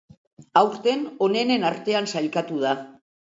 Aurten onenen artean sailkatu da.